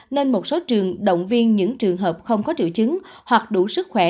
nên một số trường động viên những trường hợp không có triệu chứng hoặc đủ sức khỏe